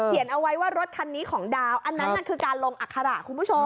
เอาไว้ว่ารถคันนี้ของดาวอันนั้นคือการลงอัคระคุณผู้ชม